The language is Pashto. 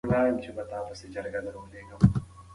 هغه ټولنه چې یووالی لري، سوله لري.